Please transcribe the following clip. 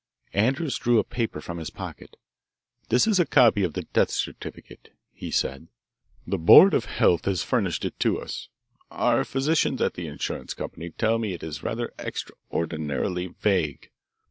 Andrews drew a paper from his pocket. "This is a copy of the death certificate," he said. "The Board of Health has furnished it to us. Our physicians at the insurance company tell me it is rather extraordinarily vague.